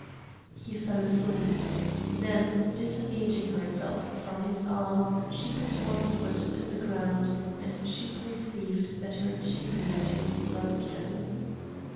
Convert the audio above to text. He fell asleep. Then disengaging herself from his arm she put one foot to the ground, and she perceived that her chainlet was broken.